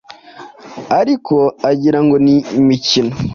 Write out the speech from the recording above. ariko agirango ni imikino